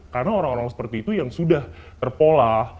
karena orang orang seperti itu yang sudah terpolah